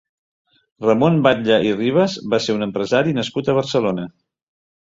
Ramon Batlle i Ribas va ser un empresari nascut a Barcelona.